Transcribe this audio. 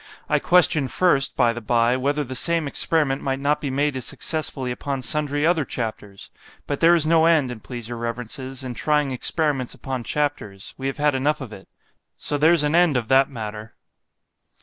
—I question first, by the bye, whether the same experiment might not be made as successfully upon sundry other chapters——but there is no end, an' please your reverences, in trying experiments upon chapters——we have had enough of it——So there's an end of that matter.